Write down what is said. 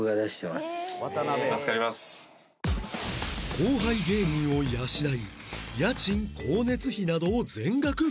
後輩芸人を養い家賃光熱費などを全額負担